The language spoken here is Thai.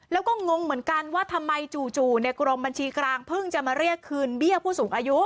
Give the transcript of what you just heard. แล้วก็งงเหมือนกันว่าทำไมจู่กรมบัญชีกลางเพิ่งจะมาเรียกคืนเบี้ยผู้สูงอายุ